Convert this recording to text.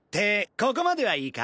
ここまではいいか？